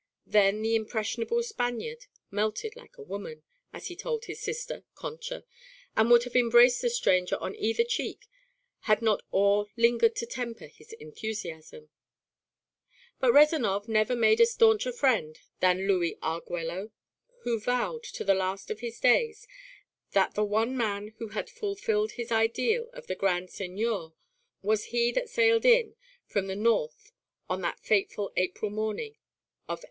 Then the impressionable Spaniard "melted like a woman," as he told his sister, Concha, and would have embraced the stranger on either cheek had not awe lingered to temper his enthusiasm. But Rezanov never made a stauncher friend than Louis Arguello, who vowed to the last of his days that the one man who had fulfilled his ideal of the grand seigneur was he that sailed in from the North on that fateful April morning of 1806.